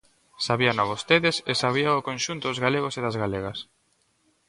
Sabíano vostedes e sabíao o conxunto dos galegos e das galegas.